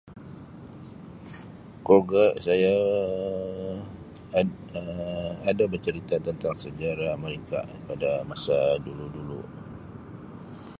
Keluarga saya ad-[Um] ad-[Um] ada bah cerita tentang sejarah mereka pada masa dulu-dulu.